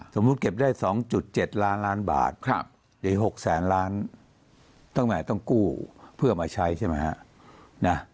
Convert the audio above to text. สมมุติเก็บได้๒๗ล้านล้านบาทหรือ๖แสนล้านต้องกู้เพื่อมาใช้ใช่ไหมฮะ